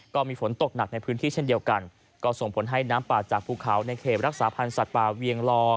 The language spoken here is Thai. ก็มีฝนตกหนักในพื้นที่เช่นเดียวกันก็ส่งผลให้น้ำป่าจากภูเขาในเขตรักษาพันธ์สัตว์ป่าเวียงลอ